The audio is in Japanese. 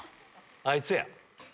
あいつや。